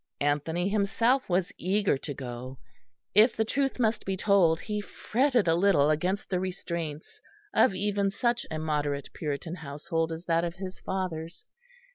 Anthony himself was eager to go. If the truth must be told, he fretted a little against the restraints of even such a moderate Puritan household as that of his father's.